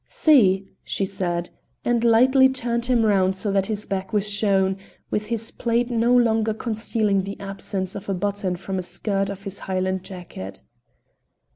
"See," she said, and lightly turned him round so that his back was shown, with his plaid no longer concealing the absence of a button from a skirt of his Highland jacket.